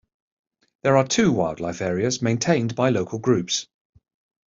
There are two wildlife areas maintained by local groups.